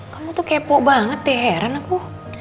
kamu tuh kepo banget deh heran aku